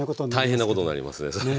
大変なことになりますねそれ。